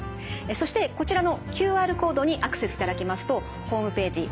そしてこちらのＱＲコードにアクセスしていただきますとホームページ